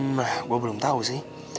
nah gue belum tahu sih